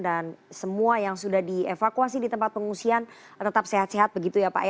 dan semua yang sudah dievakuasi di tempat pengungsian tetap sehat sehat begitu ya pak